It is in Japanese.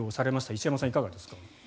石山さん、いかがですか？